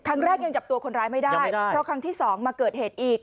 ยังจับตัวคนร้ายไม่ได้เพราะครั้งที่สองมาเกิดเหตุอีก